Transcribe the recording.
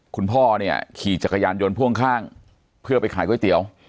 คุณพ่อเนี่ยขี่จักรยานยนต์พ่วงข้างเพื่อไปขายก๋วยเตี๋ยว